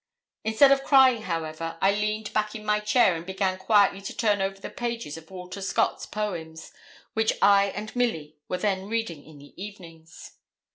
Instead of crying, however, I leaned back in my chair, and began quietly to turn over the pages of Walter Scott's poems, which I and Milly were then reading in the evenings.